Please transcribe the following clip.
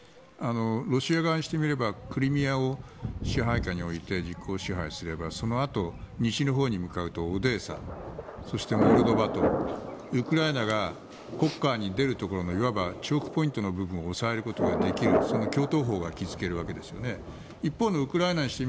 ロシア側にしてみればクリミアを支配下に置いて実効支配すればそのあと西のほうに向かえばオデーサ、そしてモルドバとウクライナが黒海に出るところのいわば、チョークポイントの部分を押さえることができるその橋頭保を築けるわけです。